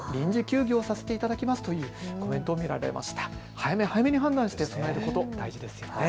早め早めに判断して備えること、大事ですよね。